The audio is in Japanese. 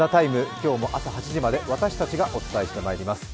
今日も朝８時まで私たちがお伝えしてまいります。